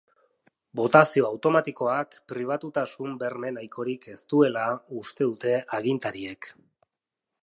Botazio automatikoak pribatutasun berme nahikorik ez duela uste dute agintariek.